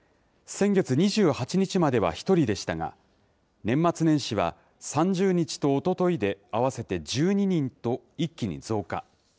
先月２８日までは１人でしたが、年末年始は３０日とおとといで合わせて１２人と、一気に増加。